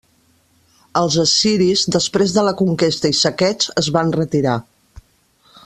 Els assiris després de la conquesta i saqueig es van retirar.